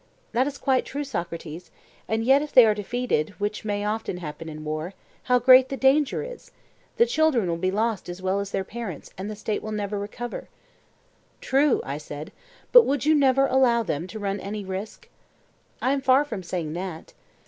That is quite true, Socrates; and yet if they are defeated, which may often happen in war, how great the danger is! the children will be lost as well as their parents, and the State will never recover. True, I said; but would you never allow them to run any risk? I am far from saying that.